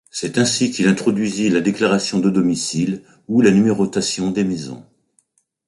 C'est ainsi qu'il introduisit la déclaration de domicile ou la numérotation des maisons.